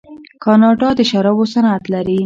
کاناډا د شرابو صنعت لري.